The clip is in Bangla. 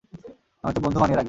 নয়তো বন্ধু বানিয়ে রাখবে।